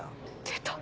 出た。